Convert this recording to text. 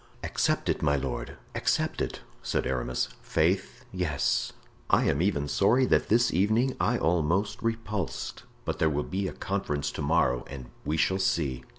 "Accept it, my lord, accept it," said Aramis. "Faith! yes. I am even sorry that this evening I almost repulsed—but there will be a conference to morrow and we shall see."